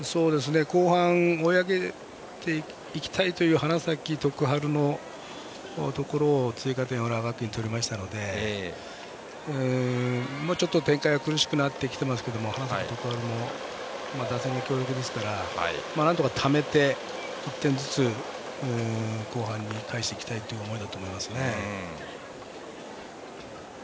後半、追い上げていきたいという花咲徳栄のところで追加点、浦和学院取りましたので、ちょっと展開が苦しくなってますが花咲徳栄も打線が強力ですからなんとかためて１点ずつ後半に返していきたいという思いだと思います。